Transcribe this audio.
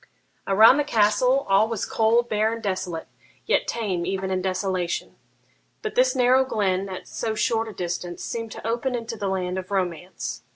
Around the castle all was cold, bare, and desolate, yet tame even in desolation; but this narrow glen, at so short a distance, seemed to open into the land of romance.